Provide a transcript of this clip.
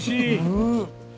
うん。